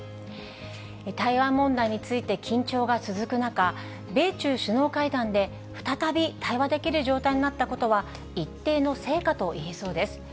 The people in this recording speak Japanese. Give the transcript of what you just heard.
台湾問題について緊張が続く中、米中首脳会談で、再び対話できる状態になったことは、一定の成果といえそうです。